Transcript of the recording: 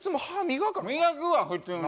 磨くわ普通に。